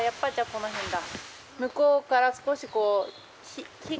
この辺だ。